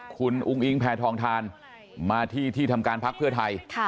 คุณอุ้งอิงแพทองทานมาที่ที่ทำการพักเพื่อไทย